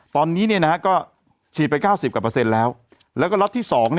ตอนนี้ก็ฉีดไป๙๐แล้วแล้วก็ล็อตที่๒